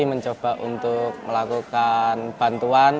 mencoba untuk melakukan bantuan